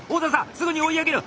すぐに追い上げる！